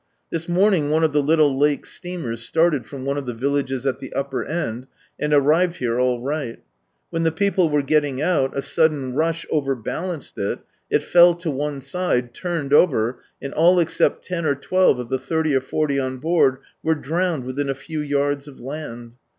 This morning one of the little lake steamers started from one of the villages at the upper end, and arrived here all right. When the people were getting out, a sudden rush overbalanced it, it fell to one side, turned over, and all except ten or twelve of the thirty or forty on board were drowned within a few yards of land.